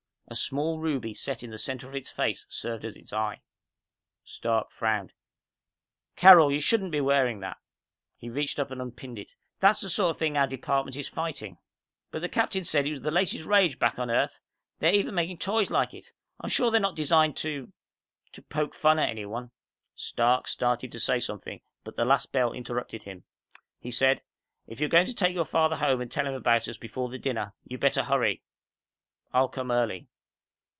A small ruby set in the center of its face served as its eye. Stark frowned. "Carol, you shouldn't be wearing that." He reached up and unpinned it. "That's the sort of thing our department is fighting." "But the captain said it was the latest rage back on Earth. They're even making toys like it. I'm sure they're not designed to ... to poke fun at anyone." Stark started to say something, but the last bell interrupted him. He said, "If you're going to take your father home and tell him about us before the dinner, you'd better hurry. I'll come early."